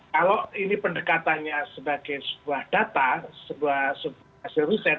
kalau ini pendekatannya sebagai sebuah data sebuah hasil riset